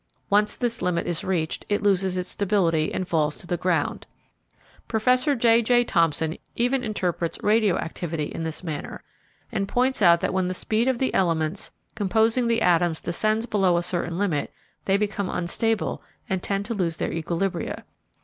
Once this limit is reached it loses its stability and falls to the ground. Prof. J. J. Thomson even interprets radio activity in this manner, and points out that when the speed of the elements composing the atoms descends below a certain limit they become unstable and tend to lose their equilibria.